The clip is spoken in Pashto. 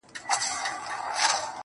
گنې د کفر په نامه ماته مُلا وايي,